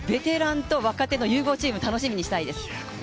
ベテランと若手の融合チーム楽しみにしたいです。